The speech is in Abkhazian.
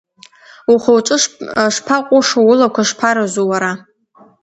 Ухы-уҿы шԥаҟәышу, улақәа шԥаразу, уара…